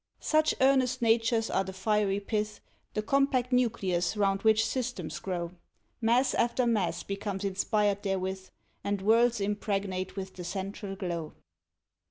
Such earnest natures are the fiery pith, The compact nucleus round which systems grow! Mass after mass becomes inspired therewith, And whirls impregnate with the central glow.